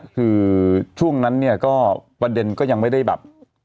คือช่วงนั้นเนี่ยก็ประเด็นก็ยังไม่ได้แบบ